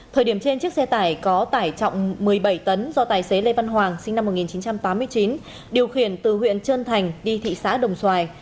thời điểm trên chiếc xe tải có tải trọng một mươi bảy tấn do tài xế lê văn hoàng sinh năm một nghìn chín trăm tám mươi chín điều khiển từ huyện trơn thành đi thị xã đồng xoài